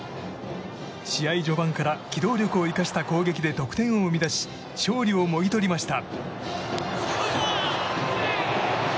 試合序盤から機動力を生かした攻撃で得点を生み出し勝利をもぎ取りました。